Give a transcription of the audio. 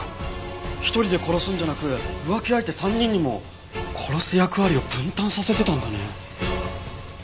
１人で殺すんじゃなく浮気相手３人にも殺す役割を分担させてたんだね。